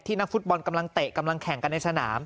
นักฟุตบอลกำลังเตะกำลังแข่งกันในสนาม